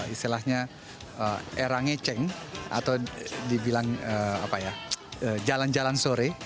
istilahnya era ngeceng atau dibilang jalan jalan sore